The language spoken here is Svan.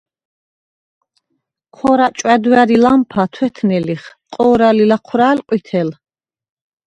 ქორა̈ ჭვა̈დვა̈რ ი ლამფა თვეთნე ლიხ, ყო̄რა̈ლ ი ლაჴვრა̄̈̈ლ – ყვითელ.